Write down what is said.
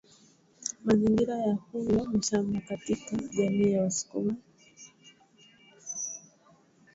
mazingira ya huyo mshambaKatika jamii ya wasukuma kama ilivyo jamii zingine kuna wachawi